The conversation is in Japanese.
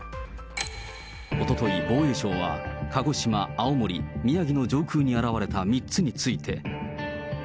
おととい、防衛省は鹿児島、青森、宮城の上空に現れた３つについて。